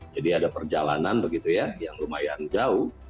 jadi ada perjalanan begitu ya yang lumayan jauh